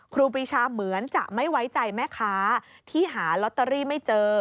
ครูปีชาเหมือนจะไม่ไว้ใจแม่ค้าที่หาลอตเตอรี่ไม่เจอ